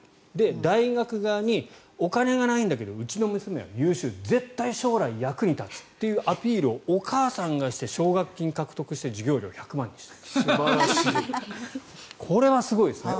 大学側に、お金がないんだけどうちの娘は優秀絶対将来役に立つというアピールをお母さんがして奨学金を獲得して授業料を１００万にしたこれはすごいですね。